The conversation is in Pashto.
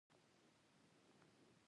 د نارينو امامت نه دى روا.